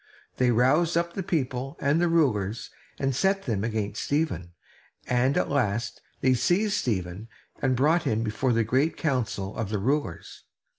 They roused up the people and the rulers, and set them against Stephen, and at last they seized Stephen, and brought him before the great council of the rulers.